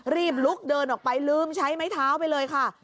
รีบลุกเดินออกไปลืมใช้ไม้เท้าไปเลยค่ะ